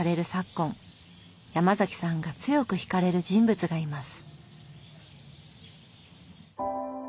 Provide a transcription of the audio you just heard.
ヤマザキさんが強くひかれる人物がいます。